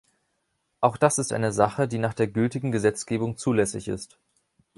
Auch das ist eine Sache, die nach der gültigen Gesetzgebung zulässig ist.